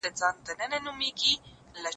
ایا تاسي د شپې لخوا تلویزیون ګورئ؟